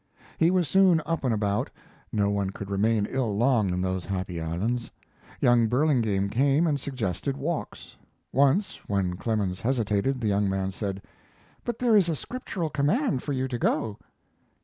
He was soon up and about. No one could remain ill long in those happy islands. Young Burlingame came, and suggested walks. Once, when Clemens hesitated, the young man said: "But there is a Scriptural command for you to go."